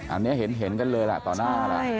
อันนี้เห็นกันเลยต่อหน้า